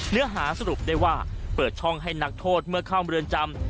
เนื้อหาสรุปได้ว่าเปิดช่องให้นักโทษเมื่อเข้าเมืองจำ